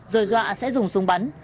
rồi dọa sẽ dùng súng bắn